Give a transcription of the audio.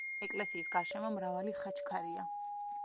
ეკლესიის გარშემო მრავალი ხაჩქარია.